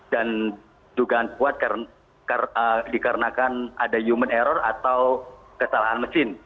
dan dugaan kuat dikarenakan ada human error atau kesalahan mesin